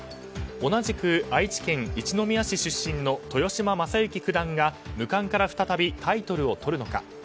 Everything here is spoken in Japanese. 同じく愛知県一宮市出身の豊島将之九段が無冠から再びタイトルを取るのか。